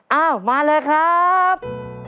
เอามาเลยครับ